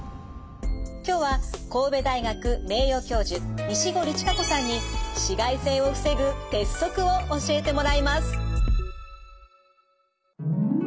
今日は神戸大学名誉教授錦織千佳子さんに紫外線を防ぐ鉄則を教えてもらいます。